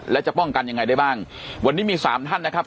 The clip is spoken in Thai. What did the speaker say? และจะป้องกันยังไงได้บ้างวันนี้มีสามท่านนะครับ